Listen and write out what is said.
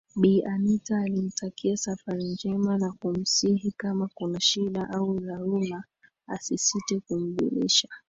Bi Anita alimtakia safari njema na kumsihi kama kuna shida au dharula asisite kumjulisha